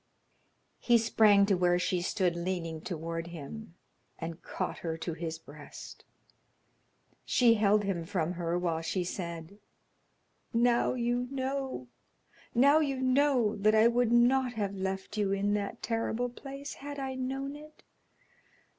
He sprang to where she stood leaning toward him, and caught her to his breast. She held him from her while she said: "Now you know now you know that I would not have left you in that terrible place, had I known it.